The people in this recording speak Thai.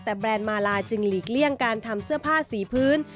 แต่แบรนด์มาลาจึงหลีกเลี่ยงการทำเสื้อผ้าสีพื้น